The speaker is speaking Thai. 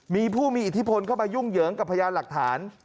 มีผู้มีอิทธิพลเข้ามายุ่งเหยิงกับพยานหลักฐาน